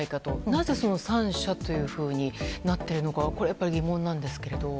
なぜその３社というふうになっているのかが疑問なんですけれども。